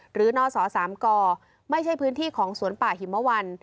นศ๓กไม่ใช่พื้นที่ของสวนป่าหิมวัน